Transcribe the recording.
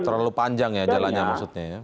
terlalu panjang ya jalannya maksudnya ya